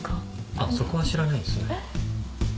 あっそこは知らないんですね。